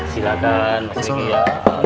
silahkan mas riki ya